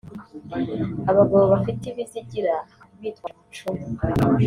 abagabo bafite ibizigira bitwaje amacumu